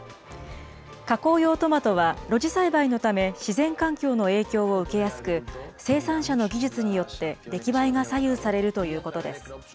加工用トマトは露地栽培のため、自然環境の影響を受けやすく、生産者の技術によって、出来栄えが左右されるということです。